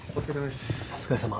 お疲れさま。